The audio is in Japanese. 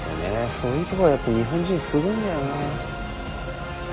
そういうとこがやっぱ日本人すごいんだよな。